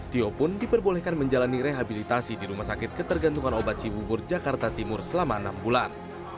tio pun diperbolehkan menjalani rehabilitasi di rumah sakit ketergantungan obat cibubur jakarta timur selama enam bulan